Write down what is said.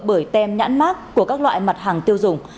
bởi tem nhãn mát của các loại mặt hàng tiêu dùng